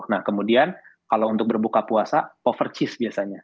nah kemudian kalau untuk berbuka puasa pover cheese biasanya